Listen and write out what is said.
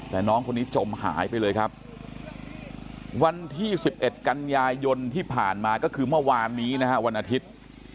แต่น้องคนนี้จมหายไปเลยครับวันที่๑๑กันยายนที่ผ่านมาก็คือเมื่อวานนี้นะฮะวันอาทิตย์